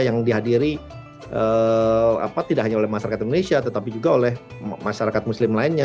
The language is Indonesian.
yang dihadiri tidak hanya oleh masyarakat indonesia tetapi juga oleh masyarakat muslim lainnya